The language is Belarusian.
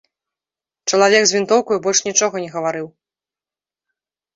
Чалавек з вінтоўкаю больш нічога не гаварыў.